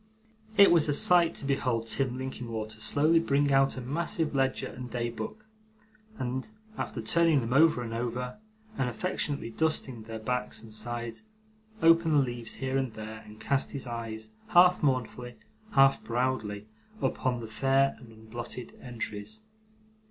It was a sight to behold Tim Linkinwater slowly bring out a massive ledger and day book, and, after turning them over and over, and affectionately dusting their backs and sides, open the leaves here and there, and cast his eyes, half mournfully, half proudly, upon the fair and unblotted entries.